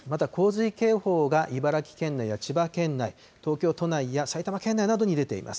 また洪水警報が茨城県内や千葉県内、東京都内や埼玉県内などに出ています。